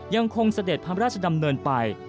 เสด็จพระราชดำเนินไป